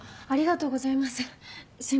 ありがとう。